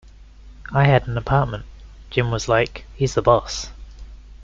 I had an apartment; Jim was, like, "He's the Boss".